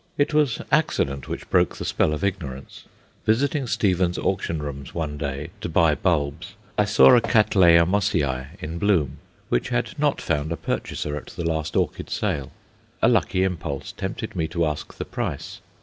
It was accident which broke the spell of ignorance. Visiting Stevens' Auction Rooms one day to buy bulbs, I saw a Cattleya Mossiæ, in bloom, which had not found a purchaser at the last orchid sale. A lucky impulse tempted me to ask the price.